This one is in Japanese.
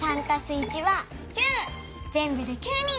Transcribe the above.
ぜんぶで９人！